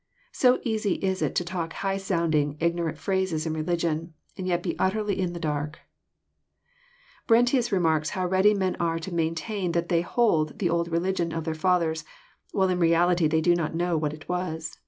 So easy it is to talk high sounding, ignorant phrases in religion, and yet be utterly in the darkl Brentins remarks how ready men are to maintain that they hold the old religion of their fathers, while in reality they do not know what it was.